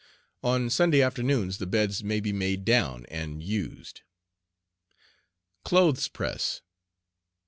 On Sunday afternoons the BEDS may be made down and used. CLOTHES PRESS.